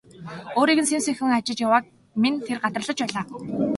Өөрийг нь сэм сэмхэн ажиж явааг минь тэр гадарлаж байлаа.